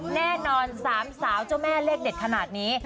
แน่นอน๓สาวเจ้าแม่เลขเด็ดขนาดนี้